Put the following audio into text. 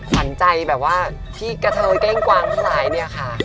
หวันใจแบบว่าพี่ก็เท่าก้าวเก้งกวางพลายเนี่ยค่ะ